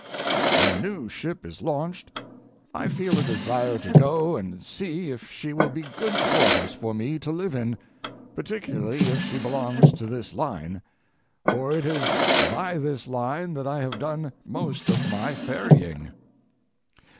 When a new ship is launched I feel a desire to go and see if she will be good quarters for me to live in, particularly if she belongs to this line, for it is by this line that I have done most of my ferrying.